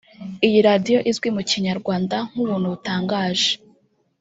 Iyi radiyo izwi mu Kinyarwanda nk’Ubuntu Butangaje